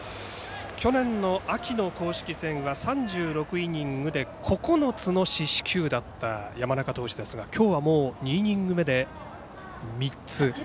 去年の秋の公式戦は３６イニングで９つの四死球だった山中投手ですが今日はもう、２イニング目で３つ。